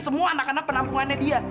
semua anak anak penampungannya dia